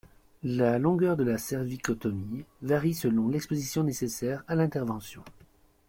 La longueur de la cervicotomie varie selon l'exposition nécessaire à l'intervention.